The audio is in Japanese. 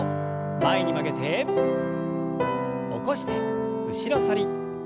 前に曲げて起こして後ろ反り。